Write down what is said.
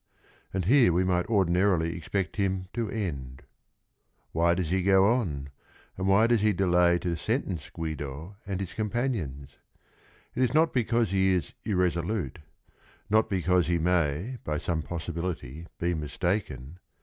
And here we might ordinarily expect him to end. Why does he go on, and why does he delay to sentence Guido and his com panions? It is not because he is "irresolute," not because he may by some possibility be mis taken.